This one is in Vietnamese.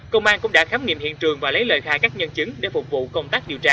công an cũng đã khám nghiệm hiện trường và lấy lời khai các nhân chứng để phục vụ công tác điều tra